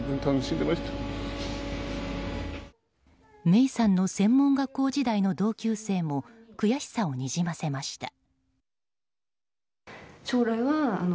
芽生さんの専門学校時代の同級生も悔しさをにじませました。